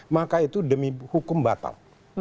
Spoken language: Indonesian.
maka itu demi hukum batal